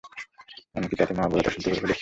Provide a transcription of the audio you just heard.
আমি কি তাতে মহাভারত অশুদ্ধ করে ফেলছি।